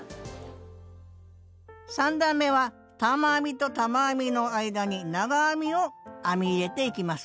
３段めは玉編みと玉編みの間に長編みを編み入れていきます。